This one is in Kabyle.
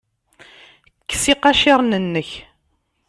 Kkes iqaciren-nnek.